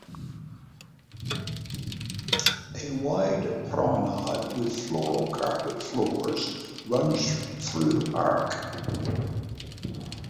A wide promenade with floral carpet floors runs through the park.